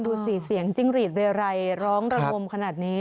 ดูสิเสียงจิ้งหรีดเรไรร้องระงมขนาดนี้